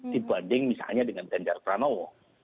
dibanding misalnya dengan ganjar pranowo